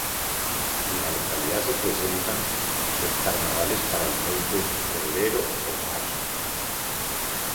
En la localidad se presentan los Carnavales para el mes de febrero o marzo.